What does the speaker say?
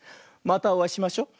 またおあいしましょ。